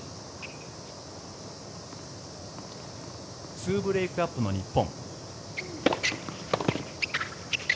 ２ブレークアップの日本。